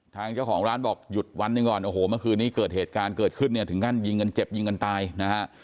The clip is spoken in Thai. ทางเจ้าของร้านบอกหยุดวันหนึ่งก่อนโอ้โหเมื่อคืนนี้เกิดเหตุการณ์เกิดขึ้นเนี่ยถึงขั้นยิงกันเจ็บยิงกันตายนะฮะ